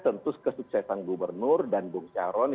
tentu kesuksesan gubernur dan bung cah rony